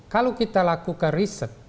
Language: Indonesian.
kalau kita lakukan riset